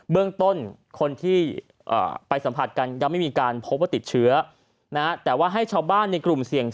เรื่องต้นคนที่ไปสัมผัสกันยังไม่มีการพบว่าติดเชื้อแต่ว่าให้ชาวบ้านในกลุ่มเสี่ยง